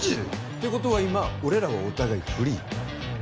てことは今俺らはお互いフリー？